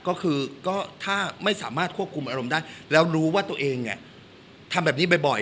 ก็คือก็ถ้าไม่สามารถควบคุมอารมณ์ได้แล้วรู้ว่าตัวเองทำแบบนี้บ่อย